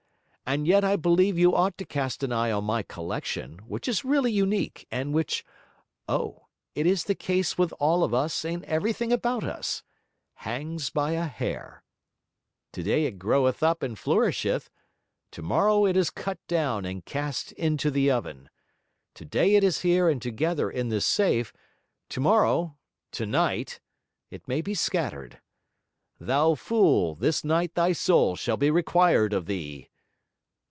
'And yet I believe you ought to cast an eye on my collection, which is really unique, and which oh! it is the case with all of us and everything about us! hangs by a hair. Today it groweth up and flourisheth; tomorrow it is cut down and cast into the oven. Today it is here and together in this safe; tomorrow tonight! it may be scattered. Thou fool, this night thy soul shall be required of thee.'